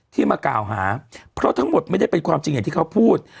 ที่มากล่าวหาเพราะทั้งหมดไม่ได้เป็นความจริงอย่างที่เขาพูด